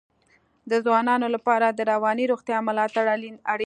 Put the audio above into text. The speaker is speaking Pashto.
د ځوانانو لپاره د رواني روغتیا ملاتړ اړین دی.